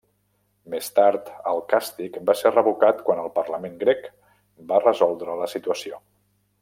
Més tard, el càstig va ser revocat quan el parlament grec va resoldre la situació.